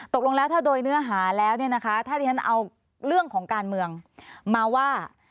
ตกลงแล้วถ้าโดยเนื้อหาแล้วเนี่ยนะคะถ้าที่ฉันเอาเรื่องของการเมืองมาว่า